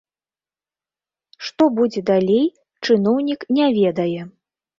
Што будзе далей, чыноўнік не ведае.